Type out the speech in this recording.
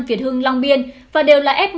việt hưng long biên và đều là f một